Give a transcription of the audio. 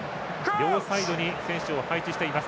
両サイドに選手を配置しています。